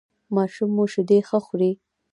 ماشوم مو شیدې ښه خوري؟